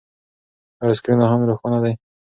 ایا سکرین لا هم روښانه دی؟